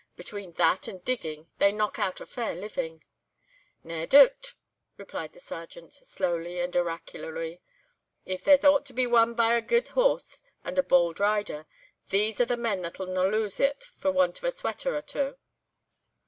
Between that and digging they knock out a fair living." "Nae doot," replied the Sergeant, slowly and oracularly. "If there's aught to be won by a guid horse and a bould rider, these are the men that'll no lose it for want of a sweater or twa.